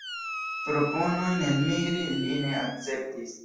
Proponojn elmigri li ne akceptis.